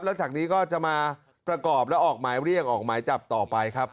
แล้วจากนี้ก็จะมาประกอบแล้วออกหมายเรียกออกหมายจับต่อไปครับ